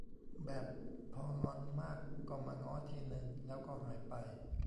แบบพองอนมากก็มาง้อทีนึง แล้วก็หายไป